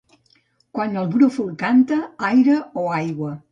Quan el brúfol canta, aire o aigua.